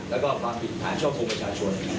แล้วก็ความผิดฐานช่อกงประชาชน